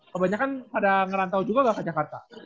kebanyakan pada ngerantau juga nggak ke jakarta